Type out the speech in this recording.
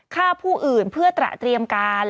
ฆ่าผู้อื่นเพื่อตระเตรียมการ